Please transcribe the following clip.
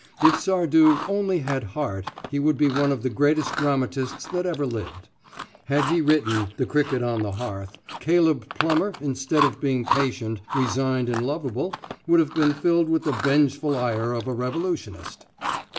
If Sardou only had heart he would be one of the greatest dramatists that ever lived. Had he written 'The Cricket on the Hearth,' Caleb Plummer instead of being patient, resigned and lovable would have been filled with the vengeful ire of a revolutionist."